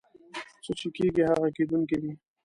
څه چې کېږي هغه کېدونکي دي.